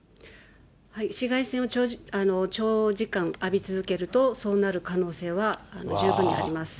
紫外線を長時間浴び続けると、そうなる可能性は十分にあります。